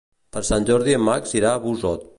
Per Sant Jordi en Max irà a Busot.